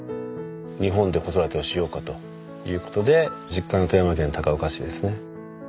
日本で子育てをしようかという事で実家の富山県高岡市ですね。